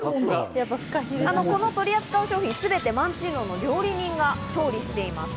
この取り扱い商品、全て萬珍樓の料理人が調理しています。